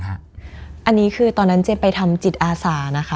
อันนี้คือตอนนั้นเจมไปทำจิตอาสานะคะ